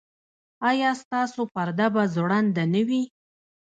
ایا ستاسو پرده به ځوړنده نه وي؟